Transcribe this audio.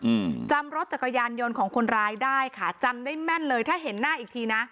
อืมจำรถจักรยานยนต์ของคนร้ายได้ค่ะจำได้แม่นเลยถ้าเห็นหน้าอีกทีนะ